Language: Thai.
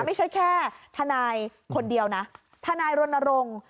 ไม่ใช่แค่ทนายคนเดียวนะทนายรณรงค์